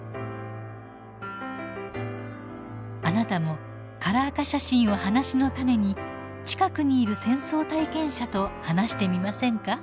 あなたもカラー化写真を話のタネに近くにいる戦争体験者と話してみませんか？